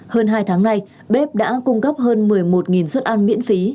hơn hai tháng nay bếp đã cung cấp hơn một mươi một suất ăn miễn phí